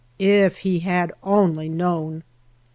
If he had only known